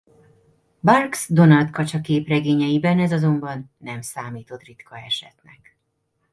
Barks Donald kacsa-képregényeiben ez azonban nem számított ritka esetnek.